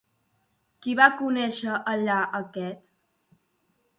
Qui va conèixer allà aquest?